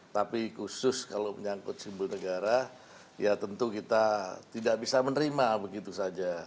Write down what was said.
tapi khusus kalau menyangkut simbol negara ya tentu kita tidak bisa menerima begitu saja